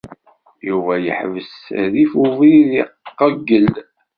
Yuba yeḥbes rrif ubrid, iqeyyel.